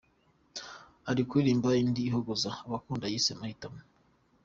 Ari kuririmba indi ihogoza abakundana yise ‘Amahitamo’.